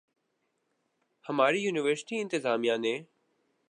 ہماری یونیورسٹی انتظامیہ نے